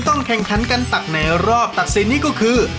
ต้องแข่งขันกันตักในรอบตัดสินนี่ก็คือ